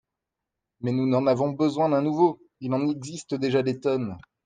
Mais nous n’en avons besoin d’un nouveau : il en existe déjà des tonnes.